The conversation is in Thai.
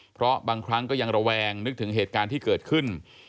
เพราะบางครั้งก็ยังระแวงนึกถึงเหตุการณ์ที่เกิดขึ้น